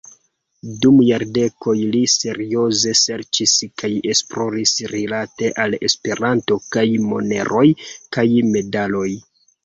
Dum jardekoj li serioze serĉis kaj esploris rilate al Esperanto kaj moneroj kaj medaloj.